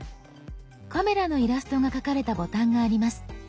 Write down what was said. カメラのイラストが描かれたボタンがあります。